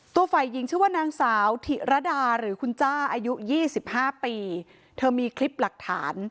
ตัวฝ่ายหญิงชื่อว่านางสาวถิระดาหรือคุณจ้าอายุ๒๕ปีเธอมีคลิปหลักฐาน